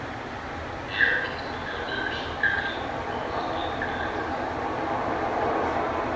Er wird von der römischen Göttin Flora abgeleitet.